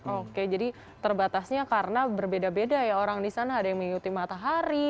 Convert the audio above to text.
oke jadi terbatasnya karena berbeda beda ya orang di sana ada yang mengikuti matahari